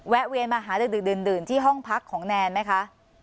แวะเวียนมาหาเดินที่ห้องพักของแนนไหมคะ